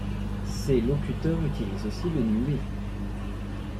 Ses locuteurs utilisent aussi le nuer.